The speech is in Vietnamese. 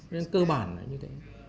nên cơ bản là như thế